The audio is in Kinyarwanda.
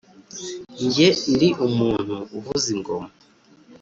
nge ndi umuntu uvuza ingoma,